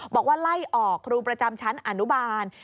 บอกว่าไล่ออกครูประจำชั้นอนุบาล